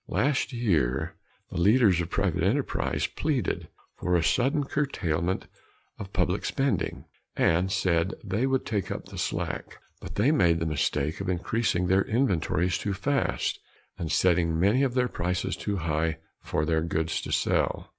Last year the leaders of private enterprise pleaded for a sudden curtailment of public spending, and said they would take up the slack. But they made the mistake of increasing their inventories too fast and setting many of their prices too high for their goods to sell.